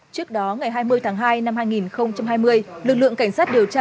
trước đó ngày hai mươi tháng hai năm hai nghìn hai mươi lực lượng cảnh sát điều tra